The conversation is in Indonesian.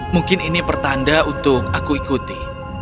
mungkin ini pertanda untuk aku ikuti